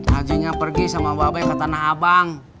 hajinya pergi sama bapak ke tanah abang